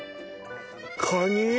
カニ？